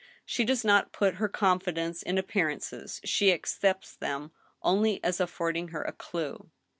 She does not put her confidence in appearances, she ac cepts them only as affording her a clew.